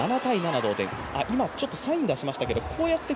今、ちょっとサイン出しましたけれども、こうやって